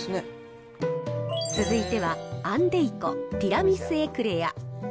続いては、アンデイコ、ティラミスエクレア。